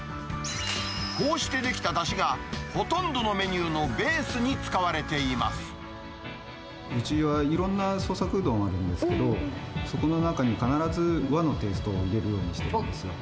こうして出来ただしがほとんどのメニューのベースに使われていまうちはいろんな創作うどんがあるんですけど、そこの中に必ず和のテイストを入れるようにしているんですよ。